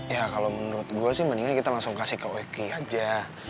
ya kalau menurut gue sih mendingan kita langsung kasih ke oeki aja